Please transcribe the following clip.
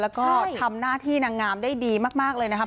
แล้วก็ทำหน้าที่นางงามได้ดีมากเลยนะครับ